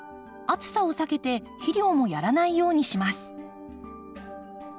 暑さを避けて肥料もやらないようにします。